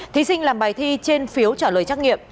thí sinh làm bài thi trên phiếu trả lời trắc nghiệm